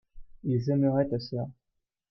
ils aimeraient ta sœur.